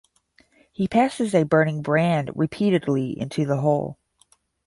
He passes a burning brand repeatedly into the hole.